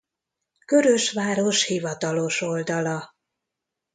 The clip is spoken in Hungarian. Körös város hivatalos oldala